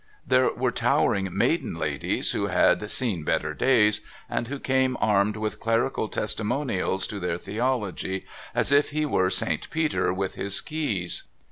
There were towering maiden ladies who had seen better days, and who came armed with clerical testimonials to their theology, as if he were Saint Peter with his keys.